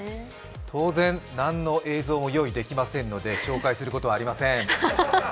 当然、何の映像も用意できませんので、紹介することはありませーん！